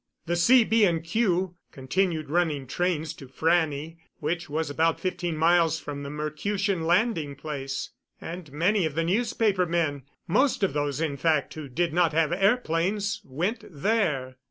The C., B. and Q. continued running trains to Frannie which was about fifteen miles from the Mercutian landing place and many of the newspaper men, most of those, in fact, who did not have airplanes, went there.